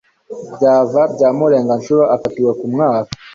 Byavu bya Mureganshuro afatiwe ku mwaro